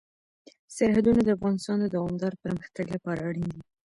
سرحدونه د افغانستان د دوامداره پرمختګ لپاره اړین دي.